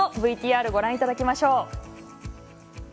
ＶＴＲご覧にただきましょう。